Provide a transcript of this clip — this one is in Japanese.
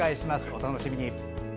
お楽しみに。